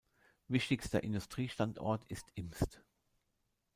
Wichtigster Industriestandort ist Imst.